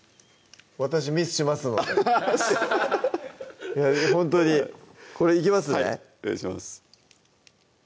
私ミスしますのでほんとにこれいきますねお願いします